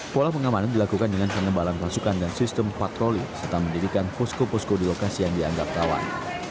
pola pengamanan dilakukan dengan pengembalan pasukan dan sistem patroli serta mendirikan pusko pusko di lokasi yang dianggap tawar